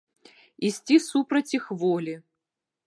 Ісці супраць іх волі.